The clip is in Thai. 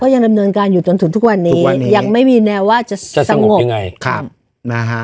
ยังดำเนินการอยู่จนถึงทุกวันนี้ยังไม่มีแนวว่าจะสงบยังไงครับนะฮะ